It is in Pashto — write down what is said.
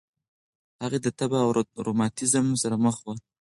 هغې د تبه او روماتیسم سره مخ وه.